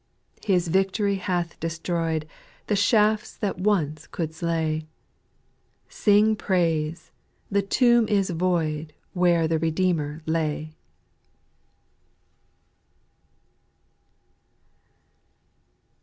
6. His victory hath destroyed The shafts that once could slay ; Sing praise I the tomb is void Where the Redeemer lay.